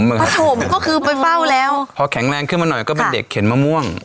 ปฐมก็คือไปเฝ้าแล้วพอแข็งแรงขึ้นมาหน่อยก็เป็นเด็กเข็นมะม่วง